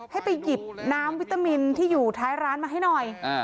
ให้ไปหยิบน้ำวิตามินที่อยู่ท้ายร้านมาให้หน่อย